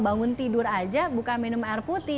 bangun tidur aja bukan minum air putih